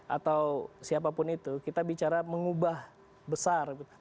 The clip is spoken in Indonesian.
atau siapapun itu kita bicara mengubah besar